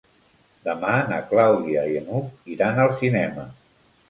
Demà na Clàudia i n'Hug iran al cinema.